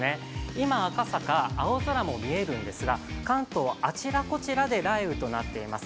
今、赤坂、青空も見えるんですが関東、あちらこちらで雷雨となっています。